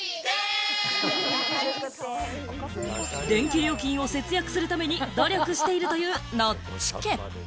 電気料金を節約するために努力しているというノッチ家。